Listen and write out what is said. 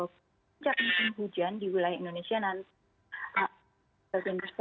puncak musim hujan di wilayah indonesia nanti